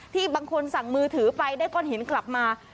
ที่บางคนสั่งมือถือไปได้ก้อนหินกลับมา